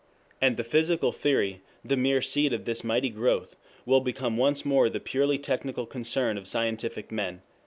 And the physical theory, the mere seed of this mighty growth, will become once more the purely technical concern of scientific men."